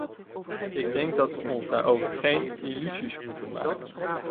Ik denk dat we ons daarover geen illusies moeten maken.